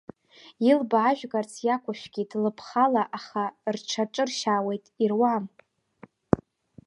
Илбаажәгарц иақәышәкит лыԥхала, аха рҽаҿыршьаауеит, ируам…